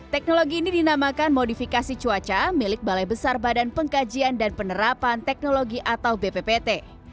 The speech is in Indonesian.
teknologi ini dinamakan modifikasi cuaca milik balai besar badan pengkajian dan penerapan teknologi atau bppt